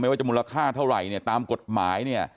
ว่าจะมูลค่าเท่าไหร่เนี่ยตามกฎหมายเนี่ย